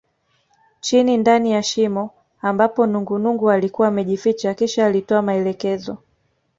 Chini ndani ya shimo ambapo nungunungu alikuwa amejificha kisha alitoa maelekezo